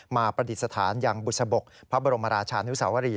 ประดิษฐานยังบุษบกพระบรมราชานุสาวรี